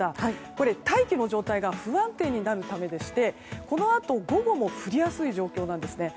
これは大気の状態が不安定になるためでこのあと、午後も降りやすい状況なんですね。